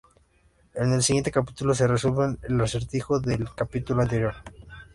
En el siguiente capítulo se resuelve el acertijo del capítulo anterior.